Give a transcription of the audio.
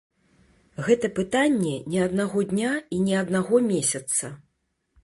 Гэта пытанне не аднаго дня і не аднаго месяца.